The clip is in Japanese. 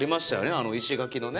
あの石垣のね。